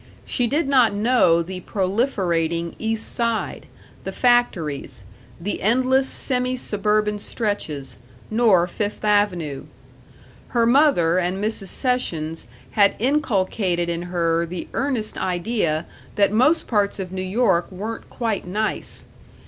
She did not know the proliferating East Side, the factories, the endless semi suburban stretches nor Fifth Avenue. Her mother and Mrs. Sessions had inculcated in her the earnest idea that most parts of New York weren't quite nice.